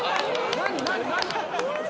何？